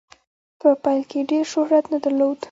په پیل کې یې ډیر شهرت نه درلود.